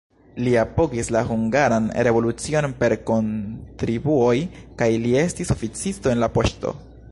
Li apogis la hungaran revolucion per kontribuoj kaj li estis oficisto en la poŝto.